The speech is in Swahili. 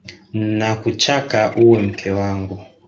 Nakuchaka uwe mke angu.